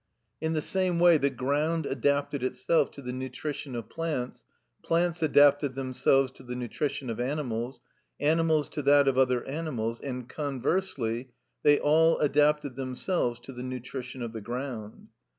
In the same way the ground adapted itself to the nutrition of plants, plants adapted themselves to the nutrition of animals, animals to that of other animals, and conversely they all adapted themselves to the nutrition of the ground.